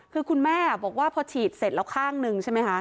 คือคุณแม่บอกว่าพอฉีดเสร็จแล้วข้างหนึ่งใช่ไหมคะ